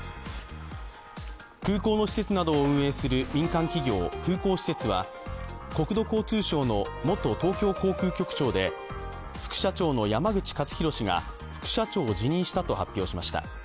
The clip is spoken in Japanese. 空港の施設などを運営する民間企業空港施設は国土交通省の元東京航空局長で副社長の山口勝弘氏が副社長を辞任したと発表しました。